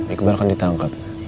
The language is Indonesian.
iqbal kan ditangkap